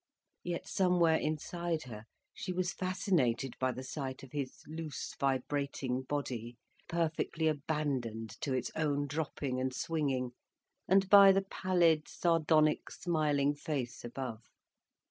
Yet somewhere inside her she was fascinated by the sight of his loose, vibrating body, perfectly abandoned to its own dropping and swinging, and by the pallid, sardonic smiling face above.